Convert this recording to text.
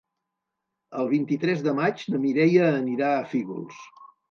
El vint-i-tres de maig na Mireia anirà a Fígols.